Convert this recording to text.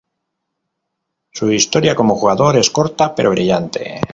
Su historia como jugador es corta, pero brillante.